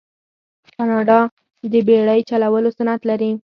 کاناډا د بیړۍ چلولو صنعت لري.